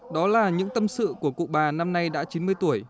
đó là những tâm sự của cụ bà năm nay đã chín mươi tuổi